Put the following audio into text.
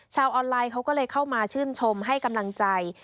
ออนไลน์เขาก็เลยเข้ามาชื่นชมให้กำลังใจ